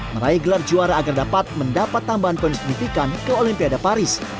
meraih gelar juara agar dapat mendapat tambahan poin signifikan ke olimpiade paris